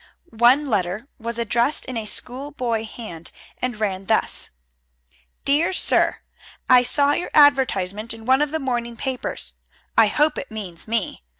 One letter was addressed in a schoolboy hand, and ran thus: Dear Sir: I saw your advertisement in one of the morning papers. I hope it means me.